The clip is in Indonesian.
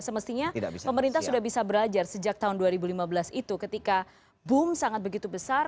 semestinya pemerintah sudah bisa belajar sejak tahun dua ribu lima belas itu ketika boom sangat begitu besar